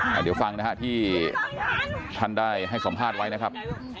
เดี๋ยวฟังนะฮะที่ท่านได้ให้สัมภาษณ์ไว้นะครับ